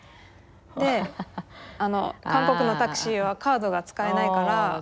で「韓国のタクシーはカードが使えないから」って言って。